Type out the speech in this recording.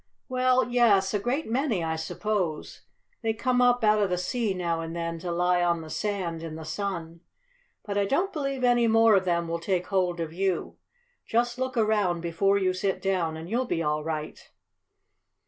"Well, yes, a great many, I suppose. They come up out of the sea now and then to lie on the sand in the sun. But I don't believe any more of them will take hold of you. Just look around before you sit down, and you'll be all right."